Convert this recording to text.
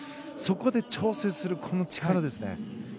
そこで調整する力ですね。